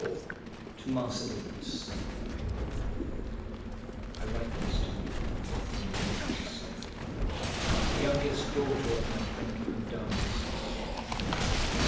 LIV To MARCELLINUS I WRITE this to you in the deepest sorrow: the youngest daughter of my friend Fundanus is dead!